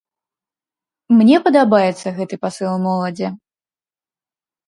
Мне падабаецца гэты пасыл моладзі.